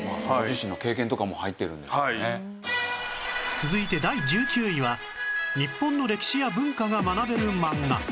続いて第１９位は日本の歴史や文化が学べる漫画